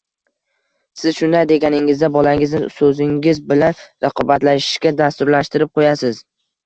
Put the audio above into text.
Siz shunday deganingizda, bolangizni so‘zingiz bilan raqobatlashishga dasturlashtirib qo‘yasiz.